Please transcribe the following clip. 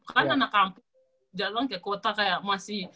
kan anak kampung jalan ke kota kayak masih